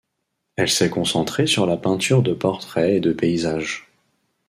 Elle s'est concentrée sur la peinture de portraits et de paysages.